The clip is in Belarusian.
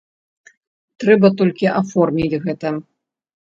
Трэба толькі аформіць гэта.